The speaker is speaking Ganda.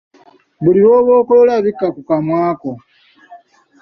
Buli lw’oba okolola, bikka ku kamwa ko